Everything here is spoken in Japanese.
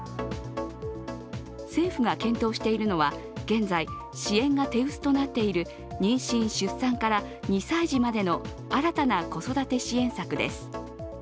政府が検討しているのは現在、支援が手薄となっている妊娠・出産から２歳児までの新たな子育て支援策です。